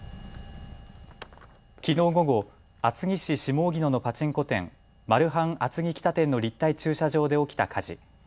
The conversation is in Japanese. きのう午後、厚木市下荻野のパチンコ店、マルハン厚木北店の立体駐車場で起きた火事。